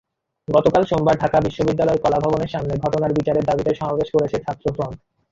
গতকাল সোমবার ঢাকা বিশ্ববিদ্যালয়ের কলাভবনের সামনে ঘটনার বিচারের দাবিতে সমাবেশ করেছে ছাত্রফ্রন্ট।